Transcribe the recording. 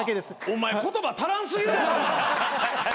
お前言葉足らん過ぎるわ！